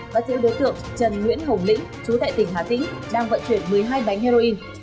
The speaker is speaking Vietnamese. bắt giữ đối tượng trần nguyễn hồng lĩnh chú tại tỉnh hà tĩnh đang vận chuyển một mươi hai bánh heroin